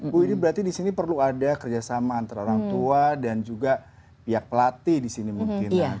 bu ini berarti disini perlu ada kerjasama antara orang tua dan juga pihak pelatih disini mungkin